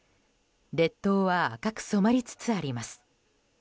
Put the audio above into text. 列島は赤く染まりつつあります。